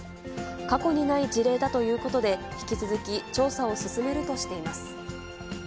過去にない事例だということで、引き続き調査を進めるとしています。